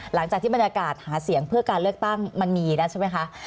หลังจากที่บรรยากาศหาเสียงเพื่อการเลือกตั้งมันมีแล้วใช่ไหมคะ